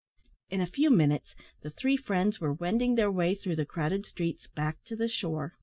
In a few minutes the three friends were wending their way through the crowded streets back to the shore.